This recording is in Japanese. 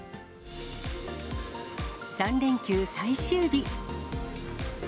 ３連休最終日。